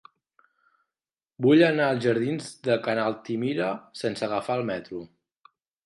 Vull anar als jardins de Ca n'Altimira sense agafar el metro.